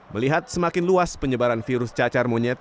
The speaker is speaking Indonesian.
melihat semakin luas penyebaran virus cacar monyet